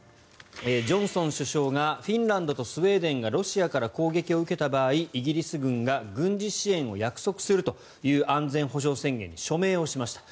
ジョンソン首相がフィンランドとスウェーデンがロシアから攻撃を受けた場合イギリス軍が軍事支援を約束するという安全保障宣言に署名をしました。